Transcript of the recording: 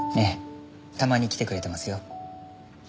ええたまに来てくれてますよ。